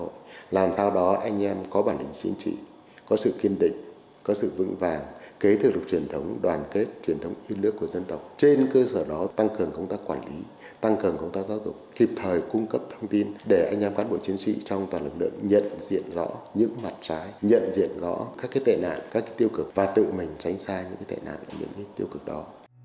chúng tôi làm tốt công tác giáo dục chính trị có sự kiên định có sự vững vàng kế thừa lục truyền thống đoàn kết truyền thống yên lước của dân tộc trên cơ sở đó tăng cường công tác quản lý tăng cường công tác giáo dục kịp thời cung cấp thông tin để anh em cán bộ chiến sĩ trong toàn lực lượng nhận diện rõ những mặt trái nhận diện rõ các cái tệ nạn các cái tiêu cực và tự mình tránh xa những cái tệ nạn những cái tiêu cực đó